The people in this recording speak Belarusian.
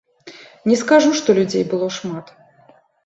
Не скажу, што людзей было шмат.